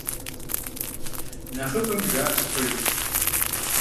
Нэхъыбэм жаӀэр пэжщ.